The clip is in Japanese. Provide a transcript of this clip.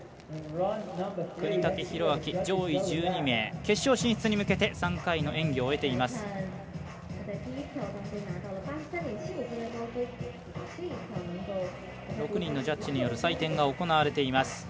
國武大晃上位１２名、決勝進出に向けて３回の演技を終えています。